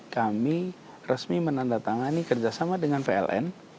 kami resmi menandatangani kerjasama dengan pln